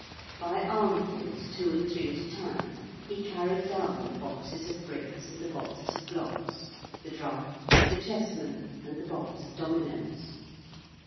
"' By armfuls, two and three at a time, he carried down the boxes of bricks and the boxes of blocks, the draughts, the chessmen, and the box of dominoes.